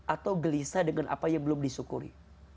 atau gelisah dengan apa yang belum disyukuri